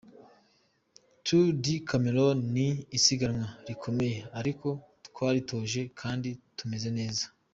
Tour du Cameroun ni isiganwa rikomeye ariko twaritoje kandi tumeze neza.